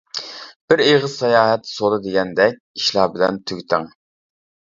بىر ئېغىز ساياھەت سودا دېگەندەك ئىشلار بىلەن تۈگىتىڭ.